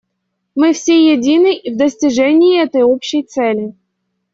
Мы все едины в достижении этой общей цели.